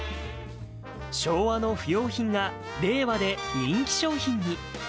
昭和の不用品が令和で人気商品に。